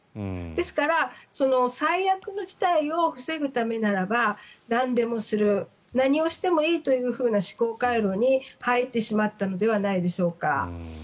ですから最悪の事態を防ぐためならばなんでもする何をしてもいいという思考回路に入ってしまったのではないでしょうか。